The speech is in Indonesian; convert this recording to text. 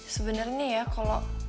sebenernya ya kalo